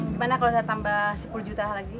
gimana kalau saya tambah sepuluh juta lagi